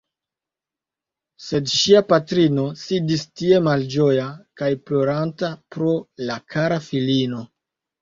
Sed ŝia patrino sidis tie malĝoja kaj ploranta pro la kara filino.